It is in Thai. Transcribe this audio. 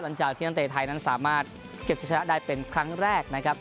หลังจากที่นักเตะไทยนั้นสามารถเก็บจะชนะได้เป็นครั้งแรกนะครับ